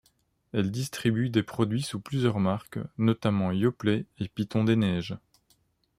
Elle distribue des produits sous plusieurs marques, notamment Yoplait et Piton des Neiges.